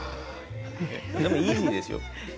でもいいんですよ。